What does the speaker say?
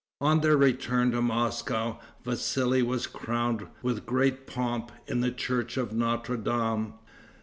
On their return to Moscow, Vassali was crowned, with great pomp, in the church of Notre Dame.